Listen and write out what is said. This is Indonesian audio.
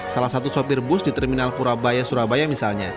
salah satu sopir bus di terminal purabaya surabaya misalnya